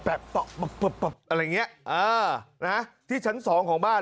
อะไรอย่างนี้ที่ชั้น๒ของบ้าน